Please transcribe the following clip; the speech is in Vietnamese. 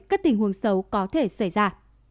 các tình huống xấu có thể xảy ra